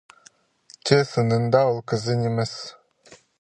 Че сынында ол кізі нимес.